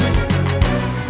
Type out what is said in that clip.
ya kita berhasil